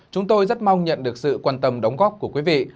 chúng tôi rất mong nhận được sự quan tâm đóng góp của quý vị